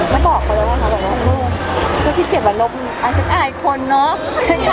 ไม่บอกเขาเลยนะคะบอกว่าคุณคิดเกียจบรรลบอาจจะอายคนเนอะ